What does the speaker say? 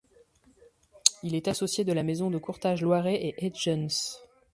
Il est associé de la maison de courtage Loiret & Haëntjens.